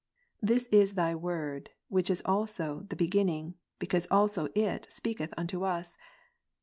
This is Thy Word, which is also "theBeginning'',because also It speaketh unto us."